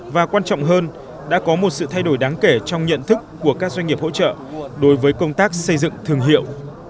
và quan trọng hơn đã có một sự thay đổi đáng kể trong nhận thức của các doanh nghiệp hỗ trợ đối với công tác xây dựng thương hiệu